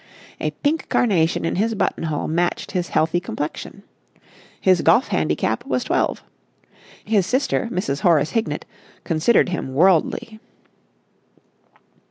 A pink carnation in his buttonhole matched his healthy complexion. His golf handicap was twelve. His sister, Mrs. Horace Hignett, considered him worldly.